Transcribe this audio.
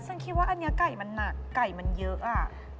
ฉันคิดว่าอันนี้ไก่มันหนักไก่มันเยอะอ่ะ